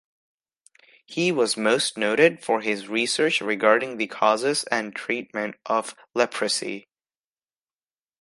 He was most noted for his research regarding the causes and treatment of leprosy.